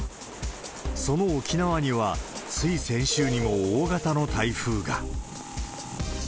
その沖縄には、つい先週にも大型の台風が。